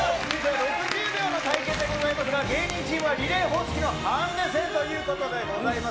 ６０秒の対決でございますが、芸人チームはリレー方式のハンディ戦ということでございます。